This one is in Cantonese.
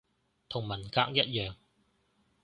同文革一樣